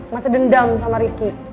masih dendam sama rifqi